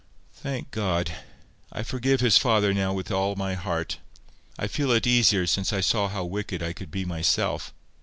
"Thank God. I forgive his father now with all my heart. I feel it easier since I saw how wicked I could be myself.